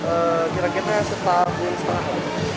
ehm kira kira setahun setahun